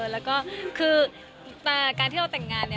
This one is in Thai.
แล้วคือต่าการที่เราแต่งงานนะ